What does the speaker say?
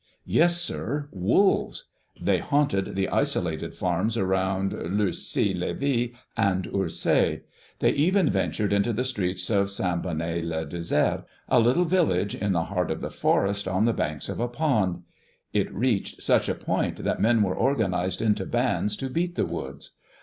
"Yes, sir, wolves! They haunted the isolated farms around Lurcy Lévy and Ursay. They even ventured into the streets of St. Bonnet le Désert, a little village in the heart of the forest on the banks of a pond. It reached such a point that men were organized into bands to beat the woods.